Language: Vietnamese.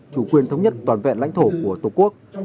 chủ quyền thống nhất toàn vẹn lãnh thổ của tổ quốc